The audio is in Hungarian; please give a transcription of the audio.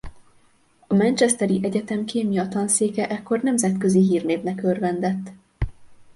A Manchesteri Egyetem kémia tanszéke ekkor nemzetközi hírnévnek örvendett.